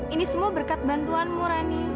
ini semua berkat bantuanmu rani